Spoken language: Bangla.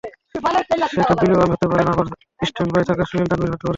সেটা বিলওয়াল হতে পারেন, আবার স্ট্যান্ডবাই থাকা সোহেল তানভিরও হতে পারেন।